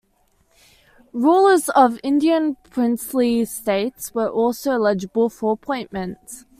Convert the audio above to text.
Rulers of Indian Princely States were also eligible for appointment.